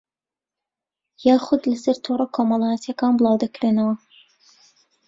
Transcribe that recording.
یاخوود لەسەر تۆڕە کۆمەڵایەتییەکان بڵاودەکرێنەوە